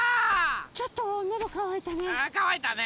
ちょっとのどかわいたね。